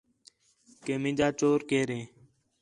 کہ مینجا چور کیئر ہے